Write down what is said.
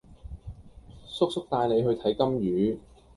叔叔帶你去睇金魚